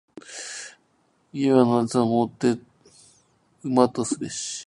家は夏をもって旨とすべし。